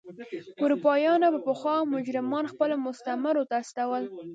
اروپایانو به پخوا مجرمان خپلو مستعمرو ته استول.